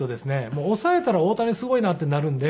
もう抑えたら「大谷すごいな」ってなるんで。